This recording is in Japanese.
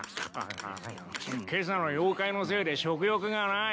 けさの妖怪のせいで食欲がない。